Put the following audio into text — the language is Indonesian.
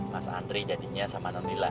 mas andre jadinya sama nonila